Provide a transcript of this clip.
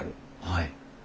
はい。